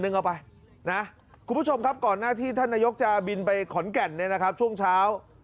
ท่านนายกก่อนที่จะบินไปขนแก่นช่วงเช้า